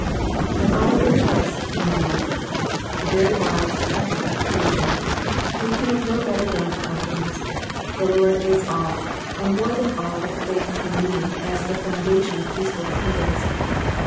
^'But I wiU trust in thee.'*'' A very wise, practical conclusion. We can have no better grouud of confidence. The Lord is all, and more than all that faith can need as the foundation of peaceful dependence.